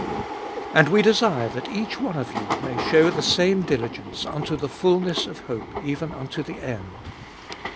And we desire that each one of you may show the same diligence unto the fulness of hope even unto the end.